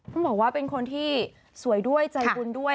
คุณบอกว่าเป็นคนที่สวยด้วยใจกลุ่นด้วย